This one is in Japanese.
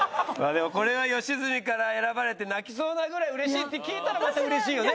でもこれは吉住から選ばれて泣きそうなぐらい嬉しいって聞いたらまた嬉しいよね。